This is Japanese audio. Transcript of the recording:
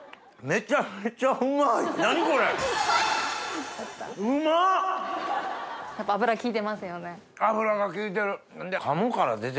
めちゃめちゃうまい。